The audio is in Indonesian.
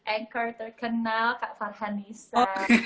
anchor terkenal kak farhanisa